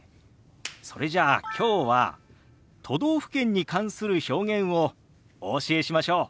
それじゃあきょうは都道府県に関する表現をお教えしましょう。